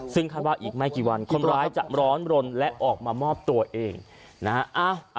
ซึ่งคาดว่าอีกไม่กี่วันคนร้ายจะร้อนรนและออกมามอบตัวเองนะฮะ